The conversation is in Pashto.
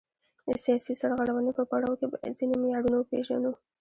د سیاسي سرغړونې په پړاو کې باید ځینې معیارونه وپیژنو.